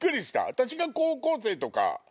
私が高校生とか。